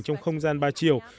trong không gian ba chiều